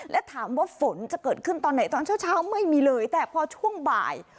และถามว่าฝนจะเกิดขึ้นตอนไหนตอนเช้าเช้าไม่มีเลยแต่พอช่วงบ่าย